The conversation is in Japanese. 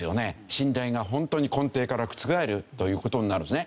信頼がホントに根底から覆るという事になるんですね。